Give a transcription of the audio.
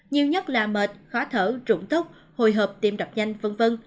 nhiều nhất là mệt khó thở rụng tốc hồi hợp tiêm đập nhanh v v